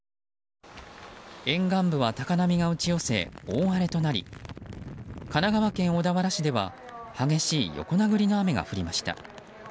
沿岸部は高波が打ち寄せ大荒れとなり神奈川県小田原市では激しい横殴りの雨が降りました。